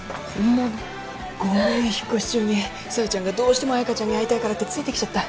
ごめん引っ越し中に小夜ちゃんがどうしても綾華ちゃんに会いたいからってついてきちゃった